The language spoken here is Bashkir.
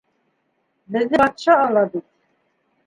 Беҙҙе батша ала бит.